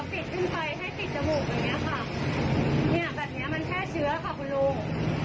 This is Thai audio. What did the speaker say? ปิดขึ้นไปให้ติดจมูกอย่างเงี้ยค่ะเนี่ยแบบเนี้ยมันแค่เชื้อค่ะคุณลุง